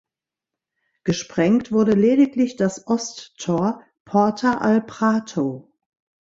Gesprengt wurde lediglich das Osttor „Porta al Prato“.